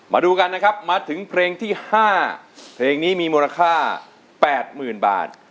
มาดูกันนะครับมาถึงเพลงที่๕เพลงนี้มีมูลค่า๘๐๐๐บาท